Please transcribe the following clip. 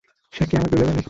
সে কি আমার দুলাভাই নাকি?